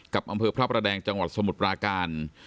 กับอำเภอพระประแดงจังหวัดสมุทรปราการ